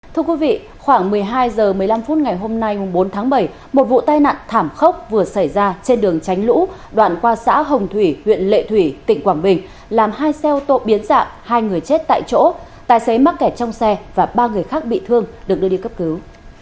thưa quý vị khoảng một mươi hai h một mươi năm phút ngày hôm nay bốn tháng bảy một vụ tai nạn thảm khốc vừa xảy ra trên đường tránh lũ đoạn qua xã hồng thủy huyện lệ thủy tỉnh quảng bình làm hai xe ô tô biến dạng hai người chết tại chỗ tài xế mắc kẹt trong xe và ba người khác bị thương được đưa đi cấp cứu